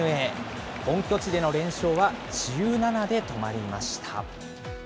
本拠地での連勝は１７で止まりました。